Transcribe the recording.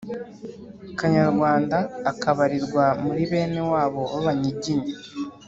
kanyarwanda, akabarirwa muri bene wabo b'abanyiginya.